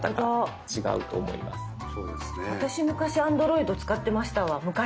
私昔アンドロイド使ってましたわ昔。